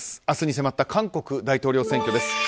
明日に迫った韓国大統領選挙です。